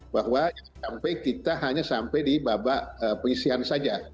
bahwa kita hanya sampai di babak pengisian saja